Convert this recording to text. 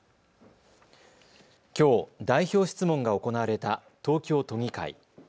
きょう、代表質問が行われた東京都議会。